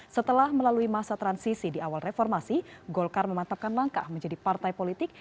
setelah melalui masa transisi di awal reformasi golkar memantapkan langkah menjadi partai politik